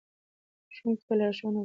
ښوونکي باید لارښوونه وکړي.